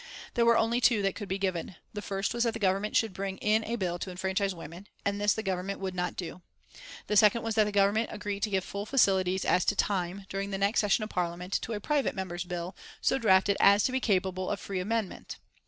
There were only two that could be given. The first was that the Government should bring in a bill to enfranchise women, and this the Government would not do. The second was that the Government agree to give full facilities as to time, during the next session of Parliament, to a private member's bill, so drafted as to be capable of free amendment.